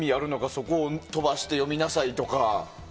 そこを飛ばして読みなさいとか。